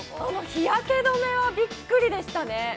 ◆日焼け止めはびっくりでしたね。